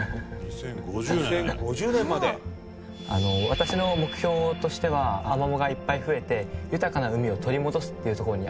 私の目標としてはアマモがいっぱい増えて豊かな海を取り戻すっていうところにあるんです。